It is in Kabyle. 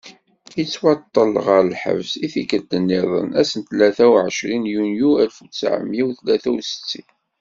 Yettwaṭṭef ɣer lḥebs i tikkelt-nniden ass n tlata u ɛecrin yunyu alef u ttɛemya u tlata u settin.